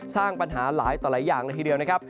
สร้างปัญหาหลายต่อหลายอย่างละทีเดียวนะครับ